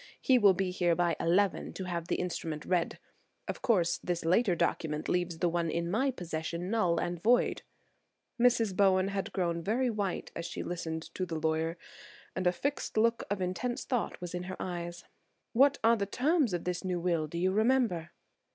He will be here by eleven to have the instrument read. Of course, this later document leaves the one in my possession null and void." Mrs. Bowen had grown very white as she listened to the lawyer, and a fixed look of intense thought was in her eyes. "What are the terms of this new will? do you remember?"